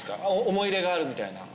思い入れがあるみたいな？